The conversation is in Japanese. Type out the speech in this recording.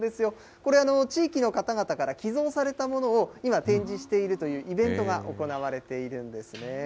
これ、地域の方々から寄贈されたものを今、展示しているというイベントが行われているんですね。